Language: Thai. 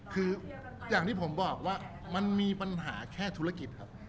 คืออย่างที่ผมบอกว่ามันมีปัญหาแค่ธุรกิจครับ